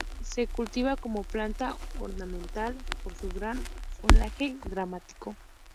Se cultiva como planta ornamental, por su gran follaje dramático.